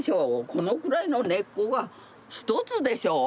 このくらいの根っこが一つでしょう。